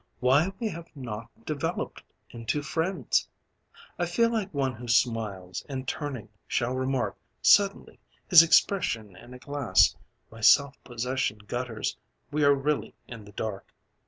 Why we have not developed into friends." I feel like one who smiles, and turning shall remark Suddenly, his expression in a glass. My self possession gutters; we are really in the dark.